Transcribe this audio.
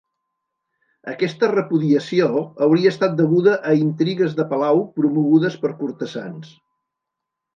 Aquesta repudiació hauria estat deguda a intrigues de palau promogudes per cortesans.